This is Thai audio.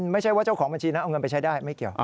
ไม่ใช่ว่าเจ้าของบัญชีนะเอาเงินไปใช้ได้ไม่เกี่ยว